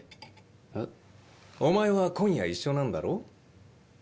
えっ？お前は今夜一緒なんだろ？